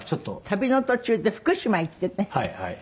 旅の途中で福島行ってね